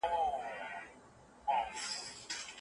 غږ له لرې څخه راځي.